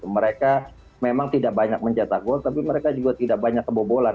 mereka memang tidak banyak mencetak gol tapi mereka juga tidak banyak kebobolan